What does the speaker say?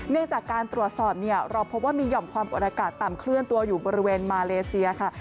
เนื่องจากการตรวจสอบเราพบว่ามีหย่อมความบริการต่ำเคลื่อนตัวอยู่บริเวณมาเลเซียค่ะ